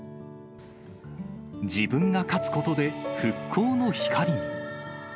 自分が勝つことで復興の光に。